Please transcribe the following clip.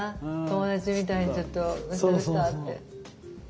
友達みたいにちょっとどうしたどうしたって。